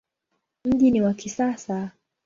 Mji ni wa kisasa.